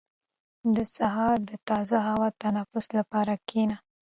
• د سهار د تازه هوا تنفس لپاره کښېنه.